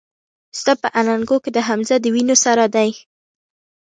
ستا په اننګو کې د حمزه د وينو سره دي